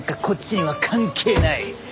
こっちには関係ない。